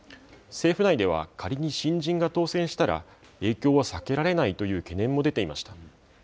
政府内では、仮に新人が当選したら、影響は避けられないという懸念も出ていました。